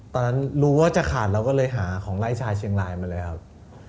ตอนนั้นรู้ว่าจะขาดเราก็เลยหาของไล่ชายเชียงรายมาเลยครับ